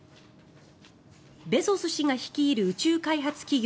ベゾス氏が率いる宇宙開発企業